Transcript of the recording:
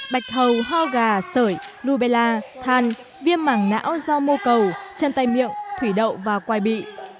bạch hầu ho gà sởi lubella than viêm mảng não do mô cầu chân tay miệng thủy đậu và quài bị